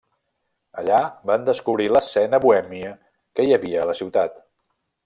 Allà van descobrir l'escena bohèmia que hi havia a la ciutat.